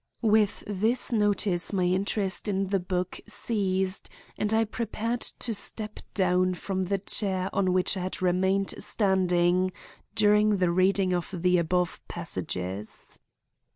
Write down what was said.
With this notice my interest in the book ceased and I prepared to step down from the chair on which I had remained standing during the reading of the above passages.